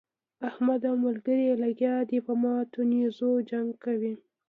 احمد او ملګري يې لګيا دي په ماتو نېزو جنګ کوي.